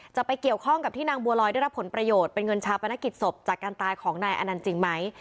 จะไปเกี่ยวข้องกับที่นางบัวลอยได้รับผลประโยชน์เป็นเงินชาปนกิจศพจากการตายของนายอนันต์จริงไหม